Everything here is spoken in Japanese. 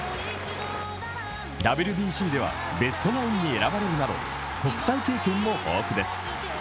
ＷＢＣではベストナインに選ばれるなど国際経験も豊富です。